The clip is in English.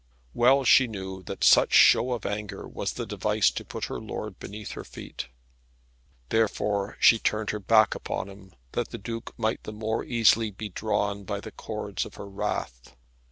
Well she knew that such show of anger was the device to put her lord beneath her feet. Therefore she turned her back upon him, that the Duke might the more easily be drawn by the cords of her wrath.